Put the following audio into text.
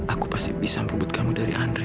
aku pasti bisa merebut kamu dari andre